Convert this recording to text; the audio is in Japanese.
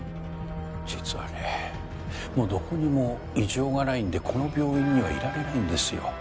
実はねもうどこにも異常がないんでこの病院にはいられないんですよ。